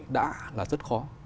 đã là rất khó